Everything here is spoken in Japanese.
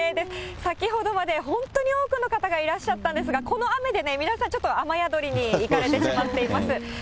先ほどまで本当に多くの方がいらっしゃったんですが、この雨で皆さん、ちょっと雨宿りに行かれてしまっています。